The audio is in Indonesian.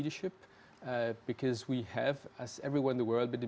dan tidak mengambil alasan yang diperlukan